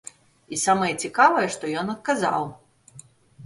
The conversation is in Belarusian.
І самае цікавае, што ён адказаў.